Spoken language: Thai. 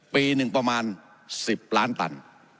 ปีหนึ่งประมาณ๑๐ล้านตัน